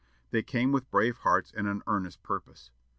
They came with brave hearts and an earnest purpose.